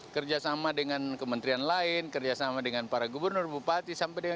kerjasama dengan kementerian lain kerjasama dengan para gubernur bupati sampai dengan